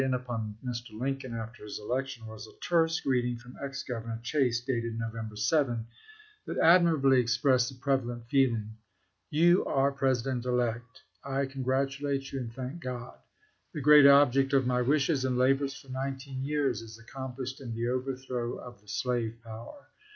in upon Mr. Lincoln after his election was a terse greeting from ex Grovernor Chase, dated No vember 7, that admirably expressed the prevalent feeling. " You are President elect. I congratulate you and thank Grod. The great object of my wishes and labors for nineteen years is accomplished in the overthrow of the slave power.